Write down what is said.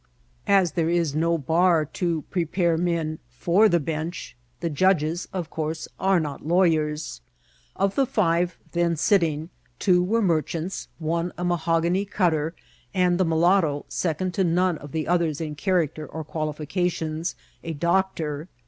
As there is no bar to prepare men for the bench, the judges, of course, are not lawyers. Of the five then sitting, two were merchants, one a mahogany cutter, and the mulatto, second to none of the others in char acter or qualifications, a doctor.